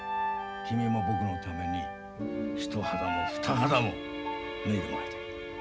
君も僕のために一肌も二肌も脱いでもらいたい。